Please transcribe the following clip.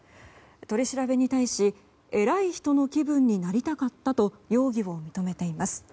取り調べに対し偉い人の気分になりたかったと容疑を認めています。